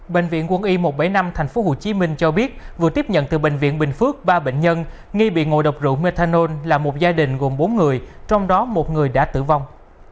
bệnh viện quân y một trăm bảy mươi năm tp hcm cho biết vừa tiếp nhận từ bệnh viện bình phước ba bệnh nhân nghi bị ngộ độc rượu methanol là một gia đình gồm bốn người trong đó một người đã tử vong